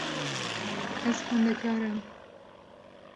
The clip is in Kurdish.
Ez xwendekar im.